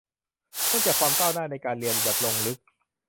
เนื่องจากความก้าวหน้าในการเรียนแบบลงลึก